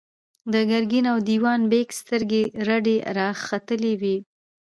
د ګرګين او دېوان بېګ سترګې رډې راختلې وې.